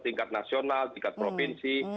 tingkat nasional tingkat provinsi